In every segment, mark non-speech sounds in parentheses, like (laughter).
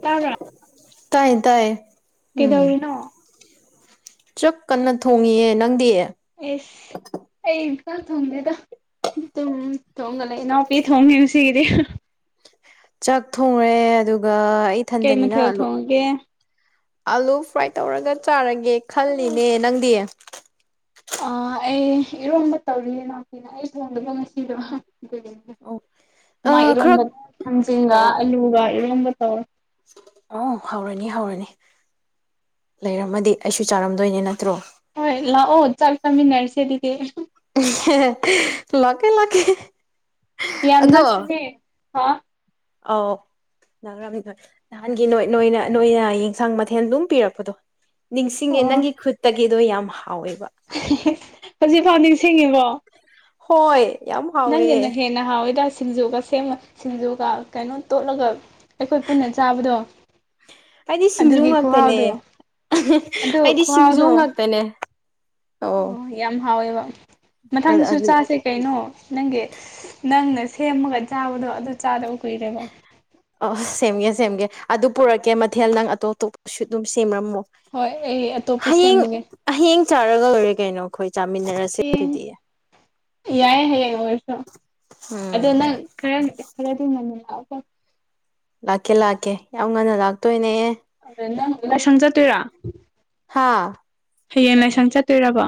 ꯇꯥꯕ꯭ꯔꯥ ꯇꯥꯏ ꯇꯥꯏ ꯎꯝ ꯀꯩꯗꯧꯔꯤꯅꯣ ꯆꯥꯛ ꯀꯟꯅ ꯊꯣꯡꯉꯤꯌꯦ ꯅꯪꯗꯤ ꯑꯦꯁ ꯑꯩ ꯆꯥꯛ ꯊꯣꯡꯗꯦꯗ ꯇꯨꯝ ꯇꯨꯝꯃ ꯂꯩ ꯏꯅꯥꯎꯄꯤ ꯊꯣꯡꯉꯤ ꯉꯁꯤꯒꯤꯗꯤ ꯆꯥꯛ ꯊꯣꯡꯉꯦ ꯑꯗꯨꯒ ꯑꯩ ꯀꯩ ꯏꯊꯟꯗꯅꯤꯅ ꯃꯊꯦꯜ ꯑꯥꯂꯨ ꯊꯣꯡꯒꯦ ꯑꯥꯂꯨ ꯐ꯭ꯔꯥꯏ ꯇꯧꯔꯒ ꯆꯥꯔꯒꯦ ꯈꯜꯂꯤꯅꯦ ꯅꯪꯗꯤ ꯑꯥ ꯑꯩ ꯏꯔꯣꯟꯝꯕ ꯇꯧꯔꯤ ꯏꯅꯥꯎꯄꯤꯅ ꯑꯩ ꯊꯣꯡꯗꯕ ꯉꯁꯤꯗꯣ (unintelligible) ꯑꯣ ꯑ ꯃꯥ ꯈꯔ ꯏꯔꯣꯝꯕ ꯊꯥꯡꯖꯤꯡꯒ ꯑꯣ ꯑꯥꯂꯨꯒ ꯏꯔꯣꯝꯕ ꯇꯧꯑꯦ ꯑꯣ ꯍꯥꯎꯔꯅꯤ ꯍꯥꯎꯔꯅꯤ ꯂꯩꯔꯝꯃꯗꯤ ꯑꯩꯁꯨ ꯆꯥꯔꯝꯗꯣꯏꯅꯦ ꯅꯠꯇ꯭ꯔꯣ ꯍꯣꯏ ꯂꯥꯛꯑꯣ ꯆꯥꯛ ꯆꯥꯃꯤꯟꯅꯔꯁꯦ ꯑꯗꯨꯗꯤ ꯂꯥꯛꯀꯦ ꯂꯥꯛꯀꯦ ꯌꯥꯝꯅ ꯑꯗꯣ ꯅꯛꯄꯅꯦ ꯍꯥ ꯑꯧ ꯅꯒ꯭ꯔꯥꯝ ꯅꯣꯏ ꯅꯍꯥꯟꯒꯤ ꯅꯣꯏ ꯅꯣꯏꯅ ꯅꯣꯏꯅ ꯌꯦꯟꯁꯥꯡ ꯃꯊꯦꯜ ꯑꯗꯨꯝ ꯄꯤꯔꯛꯄꯗꯣ ꯅꯤꯡꯁꯤꯡꯉꯦ ꯅꯪꯒꯤ ꯈꯨꯠꯇꯒꯤꯗꯣ ꯌꯥꯝ ꯍꯥꯎꯋꯦꯕ ꯍꯧꯖꯤꯛꯀꯥꯟ ꯅꯤꯡꯁꯤꯡꯉꯤꯕꯣ ꯍꯣꯏ ꯌꯥꯝ ꯍꯥꯎꯋꯦ ꯅꯪꯒꯤꯅ ꯍꯦꯟꯅ ꯍꯥꯎꯋꯤꯗ ꯁꯤꯡꯖꯨꯒ ꯁꯦꯝ ꯁꯤꯡꯖꯨꯒ ꯀꯩꯅꯣ ꯇꯣꯠꯂꯒ ꯑꯩꯈꯣꯏ ꯄꯨꯟꯅ ꯆꯥꯕꯗꯣ ꯑꯩꯗꯤ ꯁꯤꯡꯖꯨ ꯑꯗꯨꯒꯤ ꯉꯥꯛꯇꯅꯦ ꯈꯨꯍꯥꯎꯗꯣ ꯑꯗꯨ ꯑꯩꯗꯤ ꯁꯤꯡꯖꯨ ꯈꯨꯍꯥꯎꯗꯣ ꯉꯥꯛꯇꯅꯦ ꯑꯧ ꯑꯣ ꯌꯥꯝ ꯍꯥꯎꯋꯦꯕ ꯃꯊꯪꯗꯁꯨ ꯆꯥꯁꯦ ꯀꯩꯅꯣ ꯅꯪꯒꯤ ꯅꯪꯅ ꯁꯦꯝꯃꯒ ꯆꯥꯕꯗꯣ ꯑꯗꯨ ꯆꯥꯗꯕ ꯀꯨꯏꯔꯦꯕ ꯑꯥ ꯁꯦꯝꯒꯦ ꯁꯦꯝꯒꯦ ꯑꯗꯨ ꯄꯨꯔꯛꯀꯦ ꯃꯊꯦꯜ ꯅꯪ ꯑꯇꯣꯞ ꯑꯇꯣꯞꯄꯁꯨ ꯑꯗꯨꯝ ꯁꯦꯝꯔꯝꯃꯣ ꯍꯣꯏ ꯑꯩ ꯑꯇꯣꯞꯄ ꯍꯌꯦꯡ ꯁꯦꯝꯃꯒꯦ ꯍꯌꯦꯡ ꯆꯥꯔꯒ ꯂꯣꯏꯔꯦ ꯀꯩꯅꯣ ꯑꯩꯈꯣꯏ ꯆꯥꯃꯤꯟꯅꯔꯁꯦ ꯍꯌꯦꯡ ꯑꯗꯨꯗꯤ ꯌꯥꯏ ꯍꯌꯦꯡ ꯑꯣꯏꯔꯁꯨ ꯎꯝ ꯑꯗꯣ ꯅꯪ ꯈꯔ ꯈꯔꯗꯤ ꯉꯟꯅ ꯂꯥꯛꯎꯀꯣ ꯂꯥꯛꯀꯦ ꯂꯥꯛꯀꯦ ꯌꯥꯝ ꯉꯟꯅ ꯂꯥꯛꯇꯣꯏꯅꯦ ꯅꯪ ꯂꯥꯏꯁꯪ ꯆꯠꯇꯣꯏꯔ ꯍꯥꯥ ꯍꯌꯦꯡ ꯂꯥꯏꯁꯪ ꯆꯠꯇꯣꯏꯔꯕ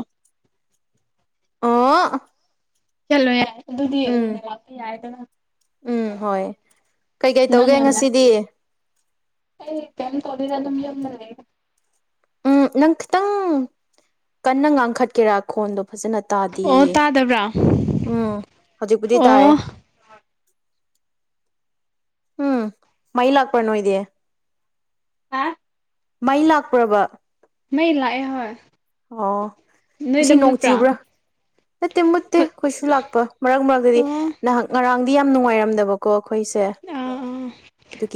ꯑꯣꯑꯥ ꯆꯜꯂꯣꯏꯌꯦ ꯑꯗꯨꯗꯤ ꯉꯟꯅ ꯂꯥꯛꯄ ꯌꯥꯏꯗꯅ ꯎꯝ ꯍꯣꯏ ꯀꯩꯀꯩ ꯅꯪ ꯇꯧꯒꯦ ꯉꯟꯅ ꯉꯁꯤꯗꯤ ꯑꯩ ꯀꯤꯝ ꯇꯧꯗꯦꯗ ꯑꯗꯨꯝ ꯌꯨꯝꯗ ꯂꯩꯌꯦ ꯎꯝ ꯅꯪ ꯈꯤꯇꯪ ꯀꯟꯅ ꯉꯥꯡꯈꯠꯀꯦꯔ ꯈꯣꯟꯗꯣ ꯐꯖꯅ ꯑꯣ ꯇꯥꯗꯌꯦ ꯇꯥꯗꯕ꯭ꯔꯥ ꯎꯝ ꯍꯧꯖꯤꯛꯄꯨꯗꯤ ꯇꯥꯔꯦ ꯑꯣ ꯎꯝ ꯃꯩ ꯂꯥꯛꯄ꯭ꯔꯥ ꯅꯣꯏꯗꯤ ꯍꯥ ꯃꯩ ꯂꯥꯛꯄ꯭ꯔꯥꯕ ꯃꯩ ꯂꯥꯛꯑꯦ ꯍꯣꯏ ꯑꯣ ꯉꯁꯤ ꯅꯣꯏꯗ ꯅꯣꯡ ꯃꯨꯠꯄ꯭ꯔꯥ ꯆꯨꯕ꯭ꯔꯥ ꯅꯠꯇꯦ ꯃꯨꯠꯇꯦ ꯍꯣꯏ ꯑꯈꯣꯏꯁꯨ ꯂꯥꯛꯄ ꯃꯔꯛ ꯃꯔꯛꯇꯗꯤ ꯑꯣ ꯅꯍꯥꯛ ꯉꯔꯥꯡꯗꯤ ꯌꯥꯝ ꯅꯨꯡꯉꯥꯏꯔꯝꯗꯕ ꯀꯣ ꯑꯩꯈꯣꯏꯁꯦ ꯑꯥ ꯑꯥ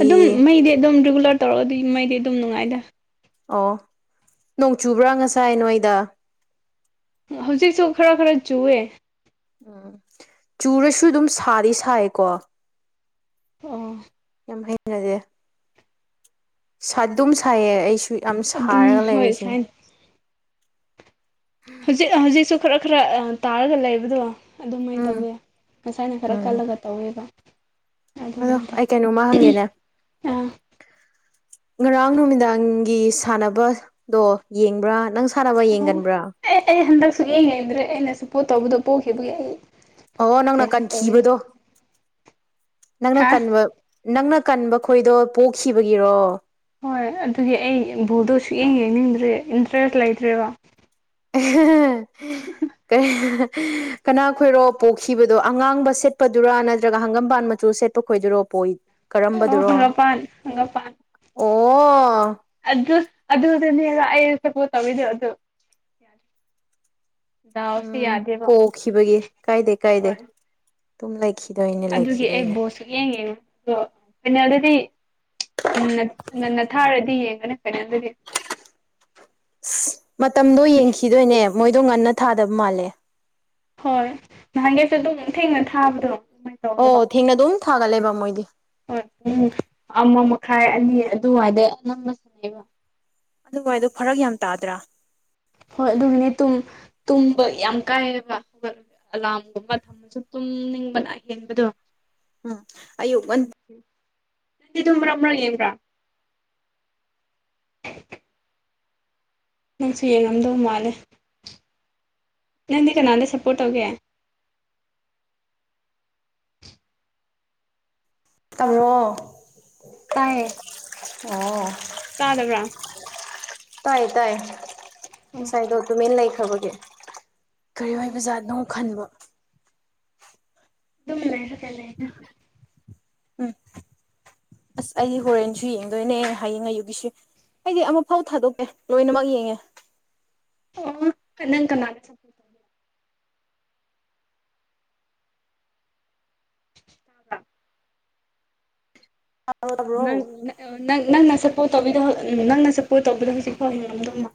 ꯑꯗꯨꯝ ꯃꯩꯗꯤ ꯑꯗꯨꯝ ꯔꯤꯒꯨꯂꯔ ꯇꯧꯔꯛ ꯑꯗꯤ ꯃꯩꯗꯤ ꯑꯗꯨꯝ ꯅꯨꯡꯉꯥꯏꯗ ꯑꯣ ꯅꯣꯡ ꯆꯨꯕ꯭ꯔꯥ ꯉꯁꯥꯏ ꯅꯣꯏꯗ ꯍꯧꯖꯤꯛꯁꯨ ꯈꯔ ꯈꯔ ꯆꯨꯑꯦ ꯎꯝ ꯆꯨꯔꯁꯨ ꯑꯗꯨꯝ ꯁꯥꯗꯤ ꯁꯥꯏꯌꯦꯀꯣ ꯑꯥ ꯌꯥꯝ (unintelligible) ꯁꯥꯗꯨꯝ ꯁꯥꯏꯌꯦ ꯑꯩꯁꯨ ꯌꯥꯝ ꯑꯗꯨꯝ ꯁꯥꯔꯒ ꯍꯣꯏ ꯂꯩꯔꯤꯁꯤꯅꯤ ꯁꯥꯏꯟ ꯍꯧꯖꯤꯛ ꯍꯧꯖꯤꯛꯁꯨ ꯈꯔ ꯈꯔ ꯇꯥꯔꯒ ꯂꯩꯕꯗꯣ ꯑꯗꯨꯃꯥꯏ ꯎꯝ ꯇꯧꯋꯦ ꯉꯁꯥꯏꯅ ꯈꯔ ꯎꯝ ꯀꯜꯂꯒ ꯇꯧꯋꯦꯕ ꯑꯗꯣ ꯑꯗꯨꯒꯤꯅꯤꯗ ꯑꯩ ꯀꯩꯅꯣꯝꯃ ꯍꯪꯒꯦꯅꯦ ꯑꯥ ꯉꯔꯥꯡ ꯅꯨꯃꯤꯗꯥꯡꯒꯤ ꯁꯥꯟꯅꯕꯗꯣ ꯌꯦꯡꯕ꯭ꯔꯥ ꯅꯪ ꯁꯥꯟꯅꯕ ꯑꯣ ꯌꯦꯡꯒꯟꯕ꯭ꯔꯥ ꯑꯦ ꯑꯩ ꯍꯟꯗꯛ ꯁꯨꯛꯌꯦꯡ ꯌꯦꯡꯗ꯭ꯔꯦ ꯑꯩꯅ ꯁꯄꯣꯠ ꯇꯧꯕꯗꯣ ꯄꯣꯈꯤꯕꯒꯤ ꯑꯩ ꯑꯣ ꯅꯪꯅ ꯀꯩꯅꯣꯝ ꯇꯧꯋꯦꯅꯦ ꯀꯟꯈꯤꯕꯗꯣ ꯅꯪꯅ ꯍꯥ ꯀꯟꯕ ꯅꯪꯅ ꯀꯟꯕ ꯈꯣꯏꯗꯣ ꯄꯣꯛꯈꯤꯕꯒꯤꯔꯣ ꯍꯣꯏ ꯑꯗꯨꯒꯤ ꯑꯩ ꯕꯣꯜꯗꯣ ꯁꯨꯛꯌꯦꯡ ꯌꯦꯡꯅꯤꯡꯗ꯭ꯔꯦ ꯏꯟꯇꯔꯦꯁ ꯂꯩꯇ꯭ꯔꯦꯕ (unintelligible) ꯀꯅꯥ ꯈꯣꯏꯔꯣ ꯄꯣꯛꯈꯤꯕꯗꯣ ꯑꯉꯥꯡꯕ ꯁꯦꯠꯄꯗꯨꯔꯥ ꯅꯠꯇ꯭ꯔꯒ ꯍꯪꯒꯝꯕꯥꯥꯟ ꯃꯆꯨ ꯁꯦꯠꯄ ꯈꯣꯏꯗꯔꯣ ꯄꯣꯏ ꯑꯣ ꯀꯔꯝꯕꯗꯨꯔꯣ ꯍꯪꯒꯄꯥꯟ ꯍꯪꯒꯄꯥꯟ ꯑꯣ ꯑꯗꯨ ꯑꯗꯨꯗꯨꯅꯦꯕ ꯑꯩ ꯁꯞꯄꯣꯠ ꯇꯧꯋꯤꯗꯣ ꯑꯗꯨ ꯗꯥꯎꯁꯦ ꯎꯝ ꯌꯥꯗꯦꯕ ꯄꯣꯛꯈꯤꯕꯒꯤ ꯀꯥꯏꯗꯦ ꯀꯥꯏꯗꯦ ꯍꯣꯏ ꯑꯗꯨꯝ ꯂꯩꯈꯤꯗꯣꯏꯅꯦ ꯑꯗꯨꯒꯤ ꯑꯩ ꯂꯩꯈꯤꯗꯣꯏꯅꯦ ꯕꯣꯜ ꯁꯨꯛꯌꯦꯡ ꯌꯦ (unintelligible) ꯗꯣ ꯄꯥꯏꯅꯦꯜꯗꯗꯤ ꯉꯟꯅ ꯊꯥꯔꯗꯤ ꯌꯦꯡꯒꯅꯤ ꯐꯥꯏꯅꯦꯜꯗꯗꯤ ꯑꯁ ꯃꯇꯝꯗꯣ ꯌꯦꯡꯈꯤꯗꯣꯏꯅꯦ ꯃꯣꯏꯗꯣ ꯉꯟꯅ ꯊꯥꯗꯕ ꯃꯥꯜꯂꯦ ꯍꯣꯏ ꯅꯍꯥꯟꯒꯩꯁꯨ ꯑꯗꯨꯝ ꯊꯦꯡꯅ ꯊꯥꯕꯗꯣ ꯑꯣ ꯇꯧꯋꯦꯕ ꯊꯦꯡꯅ ꯑꯗꯨꯝ ꯊꯥꯒꯠꯂꯦꯕ ꯃꯣꯏꯗꯤ ꯍꯣꯏ ꯄꯨꯡ ꯑꯃ ꯃꯈꯥꯏ ꯑꯅꯤ ꯑꯗꯨꯋꯥꯏꯗꯩ ꯑꯅꯝꯅ ꯁꯥꯟꯅꯩꯕ ꯑꯗꯨꯋꯥꯏꯗꯣ ꯐꯔꯛ ꯌꯥꯝ ꯇꯥꯗ꯭ꯔꯥ ꯍꯣꯏ ꯑꯗꯨꯒꯤꯅꯦ ꯇꯨꯝ ꯇꯨꯝꯕ ꯌꯥꯝ ꯀꯥꯏꯑꯦꯕ ꯍꯧꯒꯠ ꯑꯂꯥꯔꯝꯒꯨꯝꯕ ꯊꯝꯃꯁꯨ ꯇꯨꯝꯅꯤꯡꯕꯅ ꯍꯦꯟꯕꯗꯣ ꯎꯝ ꯑꯌꯨꯛ ꯉꯟ ꯗꯤ ꯃꯔꯛꯃꯔꯛ ꯌꯦꯕ꯭ꯔꯥ ꯅꯪꯁꯨ ꯌꯦꯡꯉꯝꯗꯧ ꯃꯥꯜꯂꯦ ꯅꯪꯗꯤ ꯀꯅꯥꯗ ꯁꯞꯄꯣꯔꯠ ꯇꯧꯒꯦ ꯇꯕꯔꯣ ꯇꯥꯏꯌꯦ ꯑꯣ ꯇꯥꯗꯕ꯭ꯔꯥ ꯇꯥꯏꯑꯦ ꯇꯥꯏꯑꯦ ꯑꯣ ꯉꯁꯥꯏꯗꯣ ꯇꯨꯃꯤꯟ ꯂꯩꯈ꯭ꯔꯕꯒꯤ ꯀꯔꯤ ꯑꯣ ꯑꯣꯏꯕ ꯖꯥꯠꯅꯣ ꯈꯟꯕ ꯑꯗꯨꯝ ꯂꯩꯔꯒ ꯂꯩꯗꯥ ꯎꯝ ꯑꯁ ꯑꯩ ꯍꯣꯔꯦꯟꯁꯨ ꯌꯦꯡꯗꯣꯏꯅꯦ ꯍꯌꯦꯡ ꯑꯌꯨꯛꯀꯤꯁꯨ ꯑꯩꯗꯤ ꯑꯃꯨꯛꯐꯥꯎ ꯊꯥꯗꯣꯛꯇꯦ ꯂꯣꯏꯅꯃꯛ ꯌꯦꯡꯉꯦ ꯑꯣ ꯅꯪ ꯀꯅꯥꯗ ꯁꯞ (unintelligible) ꯇꯥꯕ꯭ꯔꯣ ꯇꯥꯕ꯭ꯔꯣ ꯅꯪ ꯅꯪ ꯅꯪꯅ ꯁꯞꯄꯣꯔꯠ ꯇꯧꯕꯤꯗ ꯅꯪꯅ ꯁꯞꯄꯣꯔꯠ ꯇꯧꯕꯗꯣ ꯍꯧꯖꯤꯛꯐꯥꯎ ꯍꯤꯡꯉꯝꯗꯧ ꯃꯥꯜ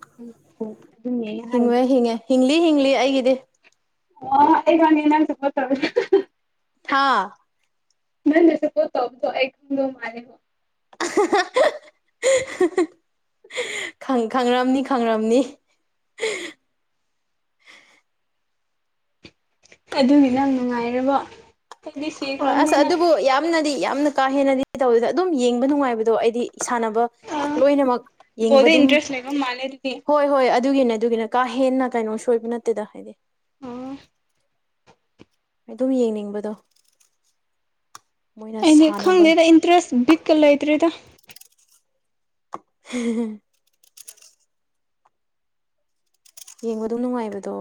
ꯍꯤꯡꯉꯦ ꯍꯤꯡꯉꯦ ꯍꯤꯡꯂꯤ ꯍꯤꯡꯂꯤ ꯑꯩꯒꯤꯗꯤ (unintelligible) ꯍꯥ (unintelligible) (unintelligible) ꯈꯪ ꯈꯪꯔꯝꯅꯤ ꯈꯪꯔꯝꯅꯤ ꯑꯗꯨꯅꯤ ꯅꯪ ꯅꯨꯡꯉꯥꯏꯔꯕꯣ ꯑꯩꯗꯤ ꯁꯤꯈ꯭ꯔꯝꯅꯤꯅ ꯅꯗꯤ ꯌꯥꯝꯅ ꯀꯥ ꯍꯦꯟꯅꯗꯤ ꯇꯧꯗꯦꯗ ꯑꯗꯨꯝ ꯌꯦꯡꯕ ꯅꯨꯡꯉꯥꯏꯕꯗꯣ ꯑꯩꯗꯤ ꯁꯥꯟꯅꯕ ꯑꯥ ꯂꯣꯏꯅꯃꯛ ꯌꯦꯡꯕ ꯕꯣꯜꯗ ꯑꯗꯨꯝ ꯏꯟꯇꯔꯦꯁ ꯂꯩꯕ ꯃꯥꯜꯂꯦ ꯑꯗꯨꯗꯤ ꯍꯣꯏ ꯍꯣꯏ ꯑꯗꯨꯒꯤꯅꯦ ꯑꯗꯨꯒꯤꯅꯦ ꯀꯥ ꯍꯦꯟꯅ ꯀꯩꯅꯣ ꯁꯣꯏꯕ ꯅꯠꯇꯦꯗ ꯍꯥꯏꯗꯤ ꯑꯣ ꯑꯗꯨꯝ ꯌꯦꯡꯅꯤꯡꯕꯗꯣ ꯃꯣꯏꯅ ꯑꯩꯗꯤ ꯁꯥꯟꯅꯕ ꯈꯪꯗꯦꯗ ꯏꯟꯇꯔꯦꯁ ꯕꯤꯠꯀ ꯂꯩꯇ꯭ꯔꯦꯗ (unintelligible) ꯌꯦꯡꯕ ꯑꯗꯨꯝ ꯅꯨꯡꯉꯥꯏꯕꯗꯣ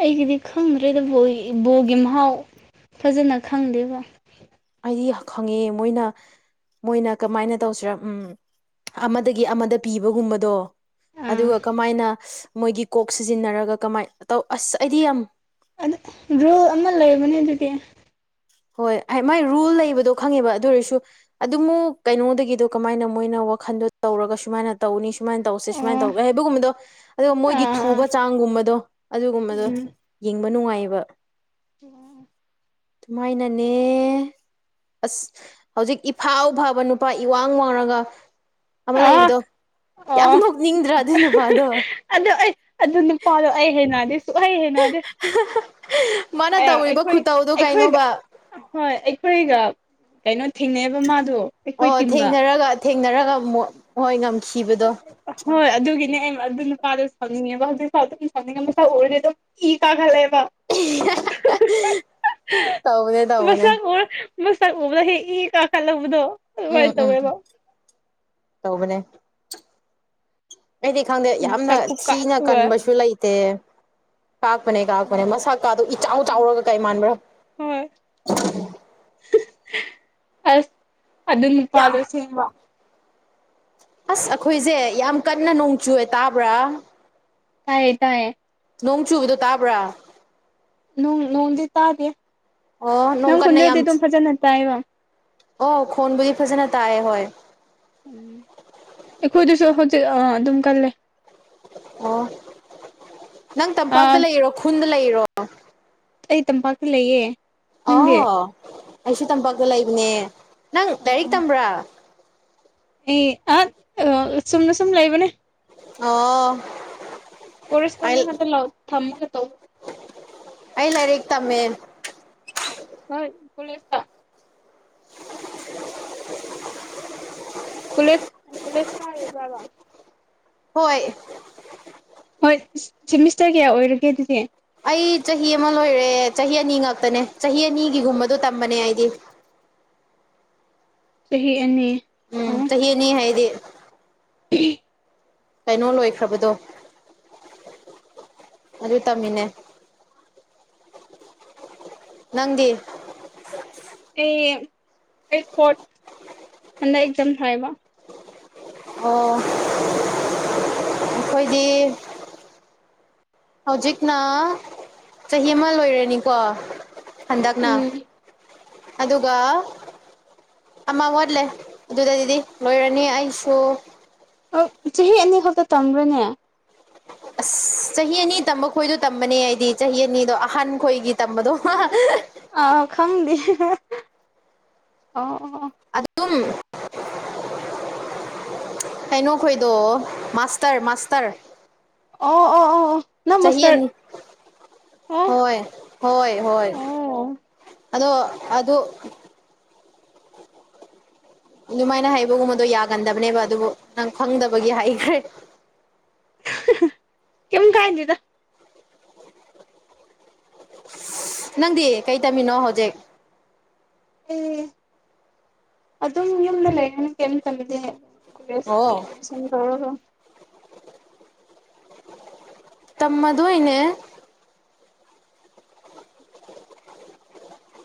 ꯑꯩꯒꯤꯗꯤ ꯈꯪꯗ꯭ꯔꯦꯗ ꯕꯣ ꯕꯣꯒꯤ ꯃꯍꯥꯎ ꯐꯖꯅ ꯈꯪꯗꯦꯕ ꯑꯩꯗꯤ ꯈꯪꯉꯦ ꯃꯣꯏꯅ ꯃꯣꯏꯅ ꯀꯃꯥꯏꯅ ꯇꯧꯁꯤꯔ ꯎꯝ ꯑꯃꯗꯒꯤ ꯑꯃꯗ ꯄꯤꯕꯒꯨꯝꯕꯗꯣ ꯑꯥ ꯑꯗꯨꯒ ꯀꯃꯥꯏꯅ ꯃꯣꯏꯒꯤ ꯀꯣꯛ ꯁꯤꯖꯤꯟꯅꯔꯒ ꯀꯃꯥꯏ ꯇꯧ ꯑꯁ ꯑꯩꯗꯤ ꯌꯥꯝ ꯔꯨꯜ ꯑꯃ ꯂꯩꯕꯅꯦ ꯑꯗꯨꯗꯤ ꯍꯣꯏ ꯃꯥꯏ ꯔꯨꯜ ꯂꯩꯕꯗꯣ ꯈꯪꯉꯦꯕ ꯑꯗꯨ ꯑꯣꯏꯔꯁꯨ ꯑꯗꯨꯃꯨꯛ ꯀꯩꯅꯣꯗꯒꯤꯗꯨ ꯀꯃꯥꯏꯅ ꯃꯣꯏꯅ ꯋꯥꯈꯟꯗꯣ ꯇꯧꯔꯒ ꯁꯨꯃꯥꯏꯅ ꯇꯧꯅꯤ ꯁꯨꯃꯥꯏꯅ ꯇꯧꯁꯦ ꯁꯨꯃꯥꯏ ꯑꯣ ꯇꯧꯒꯦ ꯍꯥꯏꯕꯒꯨꯝꯕꯗꯣ ꯑꯗꯣ ꯃꯣꯏꯒꯤ ꯑꯥ ꯊꯨꯕ ꯆꯥꯡꯒꯨꯝꯕꯗꯣ ꯑꯗꯨꯒꯨꯝꯕꯗꯣ ꯎꯝ ꯌꯦꯡꯕ ꯅꯨꯡꯉꯥꯏꯌꯦꯕ (inaudible) ꯃꯣꯏꯅꯅꯦ ꯑꯁ ꯍꯧꯖꯤꯛ ꯏꯐꯥꯎ ꯐꯥꯎꯕ ꯅꯨꯄꯥ ꯏꯋꯥꯡ ꯋꯥꯡꯉꯒ ꯑꯃ ꯑꯥ ꯂꯩꯕꯗꯣ ꯌꯥꯝ ꯑꯣ ꯅꯣꯛꯅꯤꯡꯗ꯭ꯔꯥ ꯑꯗꯨ ꯅꯨꯄꯥꯗꯣ ꯑꯗꯨ ꯑꯩ ꯑꯗꯨ ꯅꯨꯄꯥꯗꯣ ꯑꯩ ꯍꯩꯟꯅꯗꯦ ꯁꯨꯛꯍꯩ ꯍꯩꯅꯗꯦ ꯃꯥꯅ ꯑꯦ ꯇꯧꯔꯤꯕ ꯑꯩꯈꯣꯏ ꯈꯨꯠꯇꯧꯗꯣ ꯑꯩꯈꯣꯏꯒ ꯀꯩꯅꯣꯕ ꯍꯣꯏ ꯑꯩꯈꯣꯏꯒ ꯀꯩꯅꯣ ꯊꯦꯡꯅꯩꯕ ꯃꯥꯗꯨ ꯑꯣ ꯊꯦꯡꯅꯔꯒ ꯊꯦꯡꯅꯔꯒ ꯃꯣ ꯍꯣꯏ ꯉꯝꯈꯤꯕꯗꯣ ꯍꯣꯏ ꯑꯗꯨꯒꯤꯅꯦ ꯑꯩ ꯑꯗꯨ ꯅꯨꯄꯥꯗꯣ ꯁꯥꯎꯅꯤꯡꯉꯦꯕ ꯍꯧꯖꯤꯛ ꯐꯥꯎ ꯑꯗꯨꯝ ꯁꯥꯎꯅꯤꯡꯉꯦ ꯃꯁꯛ ꯎꯔꯗꯤ ꯑꯗꯨꯝ ꯏ ꯀꯥꯈꯠꯂꯛꯑꯦꯕ ꯇꯧꯕꯅꯦ ꯇꯧꯕꯅꯦ ꯃꯁꯛ ꯎ ꯃꯁꯛ ꯎꯕꯗ ꯍꯦ ꯏ ꯀꯥꯈꯠꯂꯛꯄꯗꯣ ꯎꯝ ꯎꯝ ꯇꯧꯕꯅꯦ ꯑꯩꯗꯤ ꯈꯪꯗꯦ ꯌꯥꯝꯅ ꯃꯁꯛ ꯊꯤꯅ ꯈꯨꯀꯥꯛꯇꯨꯒ ꯀꯟꯕꯁꯨ ꯂꯩꯇꯦ ꯀꯥꯛꯄꯅꯦ ꯀꯥꯛꯄꯅꯦ ꯎꯝ ꯃꯁꯛ ꯀꯥꯗꯣ ꯏꯆꯥꯎ ꯆꯥꯎꯔꯒ ꯀꯩ ꯃꯥꯟꯕ꯭ꯔꯥ ꯍꯣꯏ ꯑꯁ ꯑꯗꯨ ꯌꯥꯝ ꯅꯨꯄꯥꯗꯣ ꯆꯦꯟꯕ ꯑꯁ ꯑꯩꯈꯣꯏꯁꯦ ꯌꯥꯝ ꯀꯟꯅ ꯅꯣꯡ ꯆꯨꯑꯦ ꯇꯥꯕ꯭ꯔꯥ ꯇꯥꯏꯌꯦ ꯇꯥꯏꯌꯦ ꯅꯣꯡ ꯆꯨꯕꯗꯣ ꯇꯥꯕ꯭ꯔꯥ ꯅꯣꯡ ꯅꯣꯡꯗꯤ ꯇꯥꯗꯦ ꯑꯣ ꯅꯣꯡ ꯅꯪ ꯀꯟꯅ ꯈꯣꯟꯖꯦꯟꯗꯤ ꯌꯥꯝ ꯑꯗꯨꯝ ꯐꯖꯅ ꯇꯥꯏꯕ ꯑꯣ ꯈꯣꯟꯕꯨꯗꯤ ꯐꯖꯅ ꯇꯥꯏꯑꯦ ꯍꯣꯏ (inaudible) ꯑꯩꯈꯣꯏꯗꯁꯨ ꯍꯧꯖꯤꯛ ꯑꯥ ꯑꯗꯨꯝ ꯀꯜꯂꯦ ꯑꯣ ꯅꯪ ꯇꯝꯄꯥꯛꯇ ꯑ ꯂꯩꯔꯣ ꯈꯨꯟꯗ ꯂꯩꯔꯣ ꯑꯩ ꯇꯝꯄꯥꯛꯇ ꯂꯩꯌꯦ ꯅꯪꯗꯤ ꯑꯣ ꯑꯩꯁꯨ ꯇꯝꯄꯥꯛꯇ ꯂꯩꯕꯅꯦ ꯅꯪ ꯂꯥꯏꯔꯤꯛ ꯑꯣ ꯇꯝꯕ꯭ꯔꯥ ꯑꯩ ꯑꯠ ꯑꯥ ꯆꯨꯝꯅ ꯁꯨꯝ ꯂꯩꯕꯅꯦ ꯑꯣ ꯄꯣꯔꯤꯁꯄꯣꯟꯅꯤ ꯑꯩ ꯈꯇ ꯂꯧ ꯊꯝꯃꯒ ꯇꯧꯕ ꯑꯩ ꯂꯥꯢꯔꯤꯛ ꯇꯝꯃꯦꯟ ꯍꯣꯏ ꯀꯣꯂꯦꯁꯇ (inaudible) ꯀꯨꯂꯦꯁ ꯀꯨꯂꯦꯁ ꯀꯔꯤꯕ꯭ꯔꯥꯕ ꯍꯣꯏ ꯍꯣꯏ ꯁꯤ ꯁꯤꯃꯤꯁꯇꯔ ꯀꯌꯥ ꯑꯣꯏꯔꯒꯦ ꯑꯗꯨꯗꯤ ꯑꯩ ꯆꯍꯤ ꯑꯃ ꯂꯣꯏꯔꯦ ꯆꯍꯤ ꯑꯅꯤ ꯉꯛꯇꯅꯦ ꯆꯍꯤ ꯑꯅꯤꯒꯤꯒꯨꯝꯕꯗꯣ ꯇꯝꯕꯅꯦ ꯑꯩꯗꯤ ꯆꯍꯤ ꯑꯅꯤ ꯎꯝ ꯑꯣ ꯆꯍꯤ ꯑꯅꯤ ꯍꯥꯏꯗꯤ (unintelligible) ꯀꯩꯅꯣ ꯂꯣꯏꯈ꯭ꯔꯕꯗꯣ ꯑꯗꯨ ꯇꯝꯃꯤꯅꯦ ꯅꯪꯗꯤ ꯑꯩ ꯑꯩ ꯐꯣꯔꯠ ꯍꯟꯗꯛ ꯑꯦꯛꯖꯥꯝ ꯊꯥꯏꯕ ꯑꯣ ꯑꯈꯣꯏꯗꯤ ꯍꯧꯖꯤꯛꯅ ꯆꯍꯤ ꯑꯃ ꯂꯣꯏꯔꯅꯤꯀꯣ ꯍꯟꯗꯛꯅ ꯎꯝ ꯑꯗꯨꯒ ꯑꯃ ꯋꯥꯠꯂꯦ ꯑꯗꯨꯗꯩꯗꯤ ꯂꯣꯏꯔꯅꯤ ꯑꯩꯁꯨ ꯍꯣꯏꯠ ꯆꯍꯤ ꯑꯅꯤ ꯈꯛꯇ ꯇꯝꯕ꯭ꯔꯅꯦ ꯑꯁ ꯆꯍꯤ ꯑꯅꯤ ꯇꯝꯕ ꯈꯣꯏꯗꯣ ꯇꯝꯕꯅꯦ ꯑꯩꯗꯤ ꯆꯍꯤ ꯑꯅꯤꯗꯣ ꯑꯍꯥꯟ ꯈꯣꯏꯒꯤ ꯇꯝꯕꯗꯣ ꯑꯥ ꯈꯪꯗꯦ ꯑꯣ ꯑꯣ ꯑꯣ ꯑꯠꯗꯨꯝ ꯀꯩꯅꯣ ꯈꯣꯏꯗꯣ ꯃꯥꯁꯇꯔ ꯃꯥꯁꯇꯔ ꯑꯣ ꯑꯣ ꯑꯣ ꯑꯣ ꯅꯪ ꯆꯍꯤ ꯃꯥꯁꯇꯔ ꯑꯅꯤ ꯑꯣ ꯍꯣꯏ ꯍꯣꯏ ꯍꯣꯏ ꯑꯣ ꯑꯗꯣ ꯑꯗꯨ ꯑꯗꯨꯃꯥꯏꯅ ꯍꯩꯕꯒꯨꯝꯕꯗꯣ ꯌꯥꯒꯟꯗꯕꯅꯦꯕ ꯑꯗꯨꯕꯨ ꯅꯪ ꯈꯪꯗꯕꯒꯤ ꯍꯥꯢꯈ꯭ꯔꯦ ꯀꯩꯝ ꯀꯥꯏꯗꯦꯗ ꯅꯪꯗꯤ ꯀꯩ ꯇꯝꯃꯤꯅꯣ ꯍꯧꯖꯤꯛ ꯑꯩ ꯑꯗꯨꯝ ꯌꯨꯝꯗ ꯂꯩꯅ ꯀꯩꯝ ꯇꯝꯗꯦ ꯍꯥꯏꯕ ꯀꯣꯂꯦꯁ ꯑꯣ ꯀꯤ ꯑꯦꯠꯃꯤꯁꯟ ꯇꯧꯔꯒ ꯇꯝꯃꯗꯣꯏꯅꯦ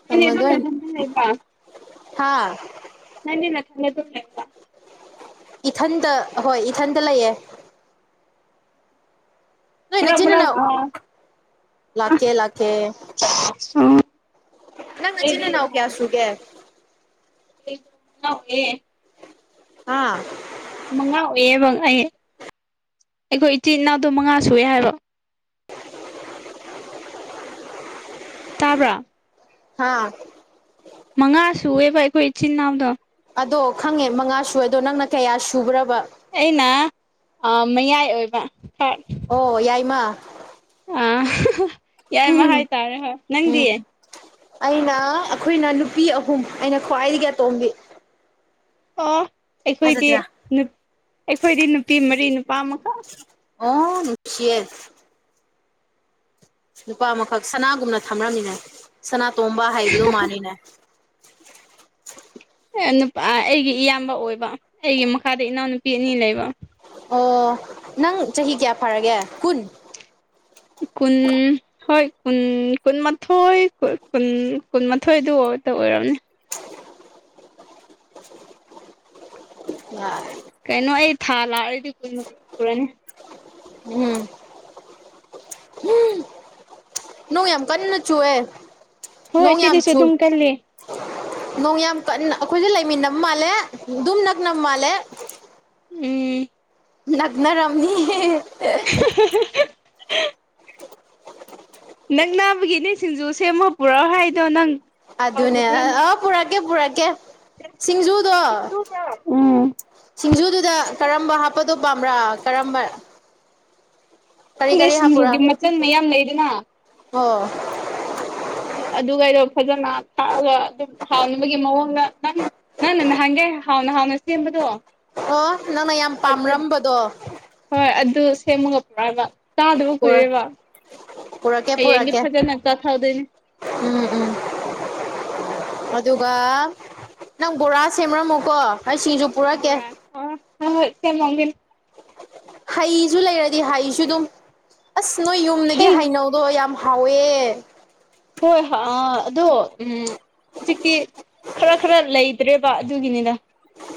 ꯅꯪꯗꯤ ꯑꯗꯨꯝ ꯇꯝꯃꯗꯣꯢꯟ ꯅꯊꯟꯇ ꯂꯩꯕ꯭ꯔꯥ ꯍꯥꯥ ꯅꯡꯗꯤ ꯅꯊꯟꯗ ꯑꯗꯨꯝ ꯂꯩꯕ꯭ꯔꯣ ꯏꯊꯟꯗ ꯍꯣꯏ ꯏꯊꯟꯗ ꯂꯩꯌꯦ ꯅꯣꯏ ꯅꯆꯤꯟ ꯅꯅꯥꯎ ꯐꯨꯅꯧ ꯐꯨꯅꯧ ꯂꯥꯛꯀꯦ ꯑꯣ ꯂꯥꯛꯀꯦ (unintelligible) ꯑꯣ ꯅꯪ ꯅꯆꯤꯟ ꯅꯅꯥꯎ ꯀꯌꯥ ꯁꯨꯒꯦ (unintelligible) ꯌꯥꯎꯋꯦ ꯍꯥ ꯃꯉꯥ ꯑꯣꯏꯌꯦꯕ ꯑꯩ ꯑꯈꯣꯏ ꯏꯆꯤꯟ ꯏꯅꯥꯎꯗꯣ ꯃꯉꯥ ꯁꯨꯢ ꯍꯥꯏꯕ ꯇꯥꯕ꯭ꯔꯥ ꯍꯥꯥ ꯃꯉꯥ ꯁꯨꯑꯦꯕ ꯑꯩꯈꯣꯏ ꯏꯆꯤꯟ ꯏꯅꯥꯎꯗꯣ ꯑꯗꯣ ꯈꯪꯉꯦ ꯃꯉꯥ ꯁꯨꯌꯦꯗꯣ ꯅꯪꯅ ꯀꯌꯥ ꯁꯨꯕ꯭ꯔꯕ ꯑꯩꯅ ꯑꯥ ꯃꯌꯥꯏ ꯑꯣꯏꯕ ꯍꯣꯏ ꯑꯣ ꯌꯥꯏꯃꯥ ꯑꯥ (unintelligible) ꯌꯥꯏꯃꯥ ꯍꯥꯏꯇꯥꯔꯦ ꯍꯣꯏ ꯅꯪꯗꯤ ꯑꯩꯅꯥ ꯑꯩꯈꯣꯏꯅ ꯅꯨꯄꯤ ꯑꯍꯨꯝ ꯑꯩꯅꯥ ꯈ꯭ꯋꯥꯏꯗꯒꯤ ꯑꯇꯣꯝꯕꯤ ꯑꯣ ꯑꯩꯈꯣꯏꯗꯤ ꯐꯖꯗ꯭ꯔꯥ ꯅꯨꯞ ꯑꯩꯈꯣꯏꯗꯤ ꯅꯨꯄꯤ ꯃꯔꯤ ꯅꯨꯄꯥ ꯑꯃꯈꯛ ꯑꯣ ꯅꯨꯡꯁꯤꯌꯦ ꯅꯨꯄꯥ ꯑꯃꯈꯛ ꯁꯅꯥꯒꯨꯝꯅ ꯊꯝꯔꯝꯅꯤꯅꯦ ꯁꯅꯥꯇꯣꯝꯕ ꯍꯥꯏꯕꯗꯣ ꯃꯥꯅꯤꯅꯦ ꯅꯨꯄꯥ ꯑꯩꯒꯤ ꯏꯌꯥꯝꯕ ꯑꯣꯏꯕ ꯑꯩꯒꯤ ꯃꯈꯥꯗ ꯏꯅꯥꯎ ꯅꯨꯄꯤ ꯑꯅꯤ ꯂꯩꯕ ꯑꯣ ꯅꯪ ꯆꯍꯤ ꯀꯌꯥ ꯐꯔꯥꯒꯦ ꯀꯨꯟ ꯀꯨꯟ ꯍꯣꯏ ꯀꯨꯟ ꯀꯨꯟꯃꯥꯊꯣꯏ ꯀꯨꯟ ꯀꯨꯟꯃꯥꯊꯣꯏꯗꯨ ꯑꯣꯏꯔꯝꯅꯤ (inaudible) ꯀꯩꯅꯣ ꯑꯩ ꯊꯥ ꯂꯥꯛꯑꯗꯤ ꯀꯨꯏꯅ (unintelligible) ꯎꯝ ꯅꯣꯡ ꯌꯥꯝ ꯀꯟꯅ ꯆꯨꯑꯦ ꯍꯣꯏ ꯅꯣꯡ ꯌꯥꯝ ꯁꯤꯗꯁꯨ ꯆꯨ ꯑꯗꯨꯝ ꯀꯜꯂꯤ ꯅꯣꯡ ꯌꯥꯝ ꯀꯟꯅ ꯑꯩꯈꯣꯏꯒꯥ ꯂꯩꯃꯤꯟꯅꯕ ꯃꯥꯜꯂꯦ ꯑꯗꯨꯝ ꯅꯛꯅꯕ ꯃꯥꯜꯂꯦ ꯎꯝ ꯅꯛꯅꯔꯝꯅꯤꯍꯦ (inaudible) ꯅꯛꯅꯕꯒꯤꯅꯤ ꯁꯤꯡꯖꯨ ꯁꯦꯝꯃꯣ ꯄꯨꯔꯛꯑꯣ ꯍꯥꯏꯗꯣ ꯅꯪ ꯑꯗꯨꯅꯦ ꯀꯥꯎꯈ꯭ꯔꯕ꯭ꯔꯅꯦ ꯑꯥ ꯄꯨꯔꯛꯀꯦ ꯄꯨꯔꯛꯀꯦ ꯁꯤꯡꯖꯨ (unintelligible) ꯎꯝ ꯁꯤꯡꯖꯨꯗꯨꯗ ꯀꯔꯝꯕ ꯍꯥꯞꯄꯗꯣ ꯄꯥꯝꯕ꯭ꯔꯥ ꯀꯔꯝꯕ ꯀꯔꯤ ꯈꯪꯗꯦ ꯀꯔꯤ ꯁꯤꯡꯖꯨꯒꯤ ꯍꯥꯞꯄꯨꯔꯥ ꯃꯆꯜ ꯃꯌꯥꯝ ꯂꯩꯗꯅ ꯑꯣ ꯑꯗꯨ ꯑꯗꯨꯒꯩꯗꯣ ꯐꯖꯅ ꯊꯥꯛꯑꯒ ꯑꯗꯨꯝ ꯍꯥꯎꯅꯕꯒꯤ ꯃꯑꯣꯡꯗ ꯅꯪ ꯅꯪꯅꯥ ꯅꯍꯥꯟꯒꯩ ꯍꯥꯎꯅ ꯍꯥꯎꯅ ꯁꯦꯝꯕꯗꯣ ꯑꯣ ꯅꯪꯅꯥ ꯌꯥꯝ ꯄꯥꯝꯔꯝꯕꯗꯣ ꯍꯣꯏ ꯑꯗꯨ ꯁꯦꯝꯃꯒ ꯄꯨꯔꯛꯑꯒ ꯆꯥꯗꯕ ꯀꯨꯏꯔꯦꯕ ꯄꯨꯔꯛꯀꯦ ꯍꯌꯦꯡꯗꯤ ꯄꯨꯔꯛꯀꯦ ꯐꯖꯅ ꯆꯥꯊꯗꯣꯏꯅꯤ ꯎꯝ ꯎꯝ ꯑꯗꯨꯒ ꯅꯪ ꯕꯣꯔꯥ ꯁꯦꯝꯔꯝꯃꯣꯀꯣ ꯑꯩ ꯁꯤꯡꯖꯨ ꯄꯨꯔꯛꯀꯦ ꯕꯣꯔꯥ ꯑꯣ ꯍꯣꯏ ꯍꯣꯏ ꯁꯦꯝꯂꯝꯒꯦ ꯍꯩꯁꯨ ꯂꯩꯔꯗꯤ ꯍꯩꯁꯨ ꯑꯗꯨꯝ ꯑꯁ ꯅꯣꯏ ꯌꯨꯝꯗꯒꯤ ꯍꯩ ꯍꯩꯅꯧ ꯗꯣ ꯌꯥꯝ ꯍꯥꯎꯋꯦ ꯍꯣꯏ ꯍꯥ ꯑꯗꯣ ꯎꯝ ꯍꯧꯖꯤꯛꯇꯤ ꯈꯔ ꯈꯔ ꯂꯩꯇ꯭ꯔꯦꯕ ꯑꯗꯨꯒꯤꯅꯤꯗ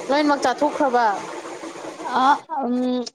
ꯂꯣꯏꯃꯛ ꯆꯥꯊꯣꯛꯈ꯭ꯔꯕ ꯑꯥ ꯑꯝ